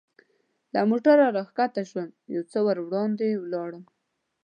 له موټره را کښته شوم، یو څه وړاندې ولاړم.